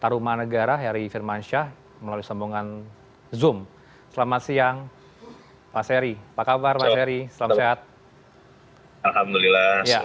alhamdulillah semoga sehat semua